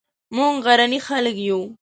موږ غرني خلک یو